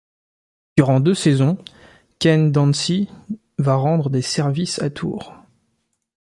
Durant deux saisons, Ken Dancy va rendre des services à Tours.